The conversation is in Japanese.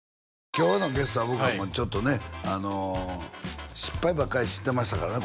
今日のゲストは僕はもうちょっとね失敗ばっかりしてましたからね